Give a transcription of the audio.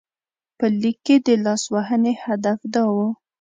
په لیک کې د لاسوهنې هدف دا و.